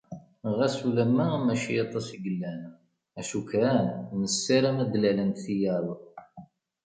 Ɣas ulamma mačči aṭas i yellan, acu kan nessaram ad d-lalent tiyaḍ.